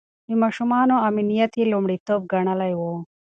د ماشومانو امنيت يې لومړيتوب ګڼلی و.